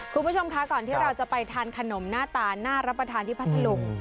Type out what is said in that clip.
คุณผู้ชมคะก่อนที่เราจะไปทานขนมหน้าตาน่ารับประทานที่พัทธลุง